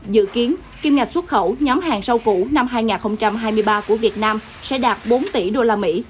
dự kiến kiêm ngạc xuất khẩu nhóm hàng rau cũ năm hai nghìn hai mươi ba của việt nam sẽ đạt bốn tỷ đô la mỹ